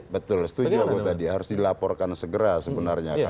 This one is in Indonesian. betul setuju aku tadi harus dilaporkan segera sebenarnya